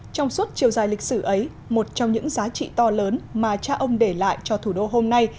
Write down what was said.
trong suốt chiều dài lịch sử ấy một trong những giá trị to lớn mà cha ông để lại cho thủ đô hôm nay